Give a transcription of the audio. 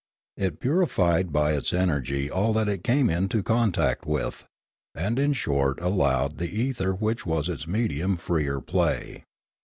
It purified by its energy all that it came into contact with, and in short allowed the ether which was its medium freer play.